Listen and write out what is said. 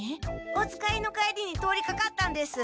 お使いの帰りに通りかかったんです。